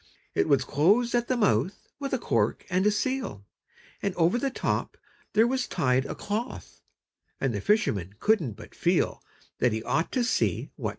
It was closed at the mouth with a cork and a seal, And over the top there was tied A cloth, and the fisherman couldn't but feel That he ought to see what was inside.